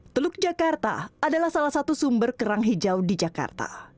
teluk jakarta adalah salah satu sumber kerang hijau di jakarta